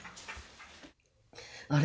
あれ？